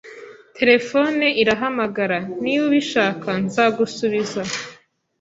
Terefone irahamagara. Niba ubishaka, nzagusubiza.